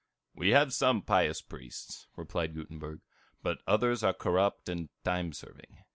"We have some pious priests," replied Gutenberg, "but others are corrupt and time serving.